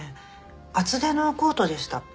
厚手のコートでした。